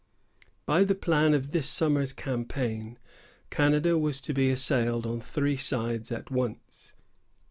By the plan of this summer's campaign, Canada was to be assailed on three sides at once.